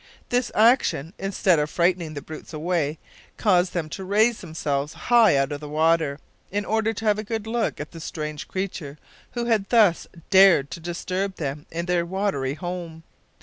This action, instead of frightening the brutes away, caused them to raise themselves high out of the water, in order to have a good look at the strange creature who had thus dared to disturb them in their watery home.